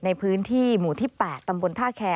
ในพื้นที่หมู่ที่๘ตำบลท่าแคร์